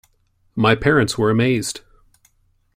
My parents were amazed.